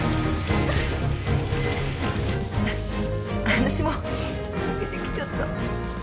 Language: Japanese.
私も泣けてきちゃった。